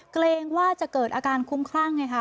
เกรงว่าจะเกิดอาการคุ้มคลั่งไงค่ะ